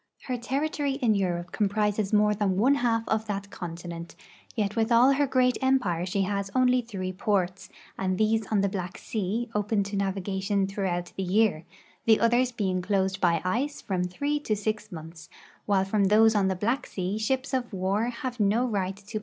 Her terri tory in Europe comprises more than one half of that continent; yet with all her great empire she has only three ports, and these on the Black sea, open to navigation throughout the year, the others being closed by ice from three to six months, while from those on the Black sea ships of war have no right to pas.